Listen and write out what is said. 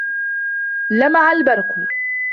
لَمَعَ الْبَرْقُ.